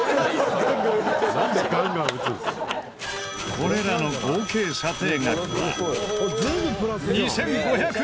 これらの合計査定額は２５００円。